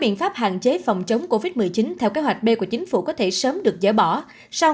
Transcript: biện pháp hạn chế phòng chống covid một mươi chín theo kế hoạch b của chính phủ có thể sớm được dỡ bỏ sau